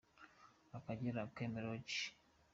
–« Akagera Game Lodge ».